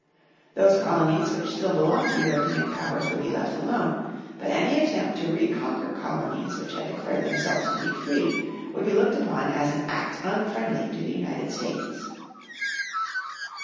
Those colonies which still belonged to European powers would be left alone, but any attempt to reconquer colonies which had declared themselves to be free would be looked upon as an act unfriendly to the United States.